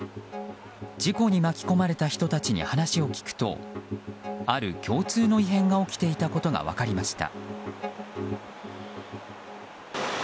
事故に巻き込まれた人たちに話を聞くとある共通の異変が起きていたことが分かりました。